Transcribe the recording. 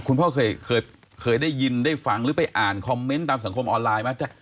คุณพ่อเคยได้ยินได้ฟังหรือไปอ่านคอมเมนต์ตามสังคมออนไลน์ไหม